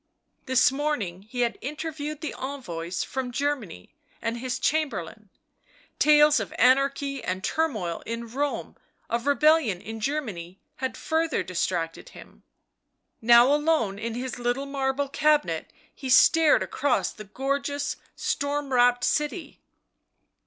This morning he had interviewed the envoys from Germany and his chamberlain ; tales of anarchy and turmoil in Rome, of rebellion in Germany had further distracted him; now alone in his little marble cabinet, he stared across the gorgeous, storm wrapt city.